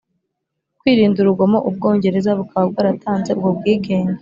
kwirinda urugomo (u bwongereza bukaba bwaratanze ubwo bwigenge